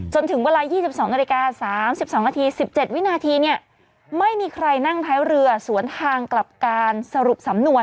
จนถึงเวลา๒๒นาฬิกา๓๒นาที๑๗วินาทีเนี่ยไม่มีใครนั่งท้ายเรือสวนทางกลับการสรุปสำนวน